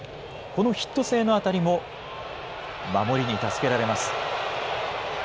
このヒット性の当たりも、守りに助けられます。